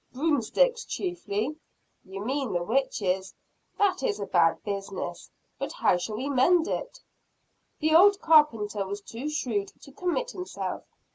"Broomsticks, chiefly." "You mean the witches. That is a bad business. But how shall we mend it?" The old carpenter was too shrewd to commit himself.